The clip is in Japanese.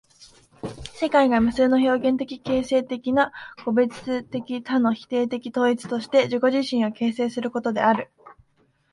世界が無数の表現的形成的な個物的多の否定的統一として自己自身を形成することである。